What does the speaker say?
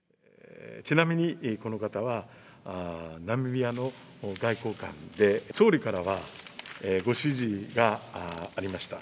ちなみにこの方は、ナミビアの外交官で、総理からは、ご指示がありました。